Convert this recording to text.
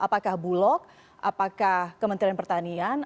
apakah bulog apakah kementerian pertanian